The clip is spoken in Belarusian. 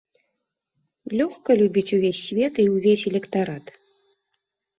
Лёгка любіць увесь свет і ўвесь электарат.